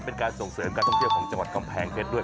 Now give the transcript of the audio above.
เป็นการส่งเสริมการท่องเที่ยวของจังหวัดกำแพงเพชรด้วย